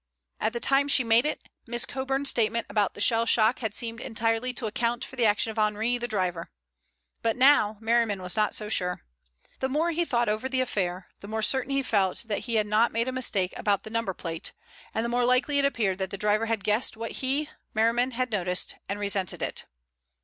At the time she made it, Miss Coburn's statement about the shell shock had seemed entirely to account for the action of Henri, the driver. But now Merriman was not so sure. The more he thought over the affair, the more certain he felt that he had not made a mistake about the number plate, and the more likely it appeared that the driver had guessed what he, Merriman, had noticed, and resented it.